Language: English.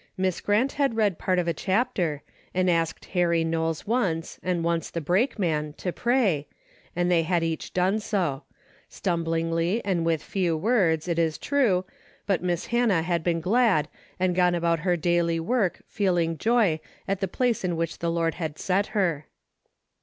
Miss Grant had read part of a chapter, and asked Harry Knowles once, and once the brakeman to pray, and they had each done so ; stuniblingly and with few words, it is true, but Miss Hannah had been glad and gone about her daily work feeling joy at the place in which the Lord had set her.